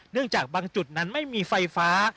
เนื่องจากบางจุดนั้นไม่มีไฟฟ้า